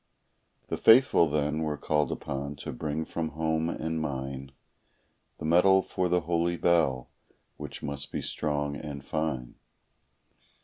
The faithful then were called upon to bring from home and mine The metal for the holy bell, which must be strong and fine.